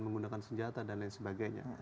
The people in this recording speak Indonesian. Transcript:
menggunakan senjata dan lain sebagainya